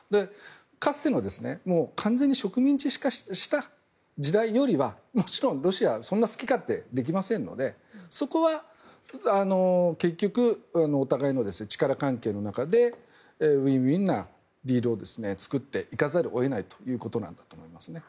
かつての完全に植民地化した時代よりはもちろんロシアはそんなに好き勝手出来ませんのでそこは結局、お互いの力関係の中でウィンウィンなディールを作っていかざるを得ないということなんだと思いますね。